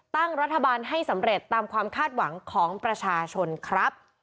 ตั้งรัฐบาลให้สำเร็จตามความคาดหวังของประชาชนครับ